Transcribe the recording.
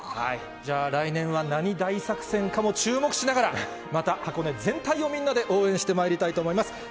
じゃあ、来年は何大作戦かも注目しながら、また箱根全体をみんなで応援してまいりたいと思います。